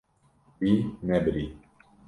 Wî nebirî.